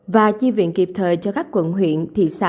và chi viện kịp thời cho các quận huyện thị xã